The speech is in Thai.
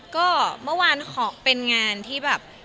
ก็เมื่อวานขอเป็นงานที่แบบ